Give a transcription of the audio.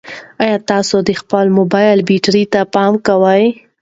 ایا تاسي د خپل موبایل بیټرۍ ته پام کوئ؟